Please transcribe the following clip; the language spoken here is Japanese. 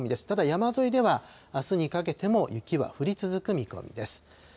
ただ、山沿いではあすにかけても雪は降り続く見込みです。